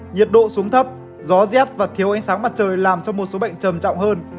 nhiệt độ xuống thấp gió rét và thiếu ánh sáng mặt trời làm cho một số bệnh trầm trọng hơn